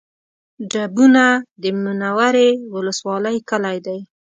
ډبونه د منورې ولسوالۍ کلی دی